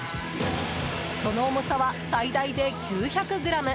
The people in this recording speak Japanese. その重さは最大で９００ｇ。